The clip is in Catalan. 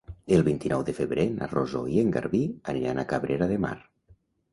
El vint-i-nou de febrer na Rosó i en Garbí aniran a Cabrera de Mar.